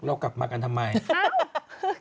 เรากลับมากันทำไม